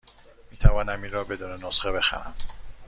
می توانم این را بدون نسخه بخرم؟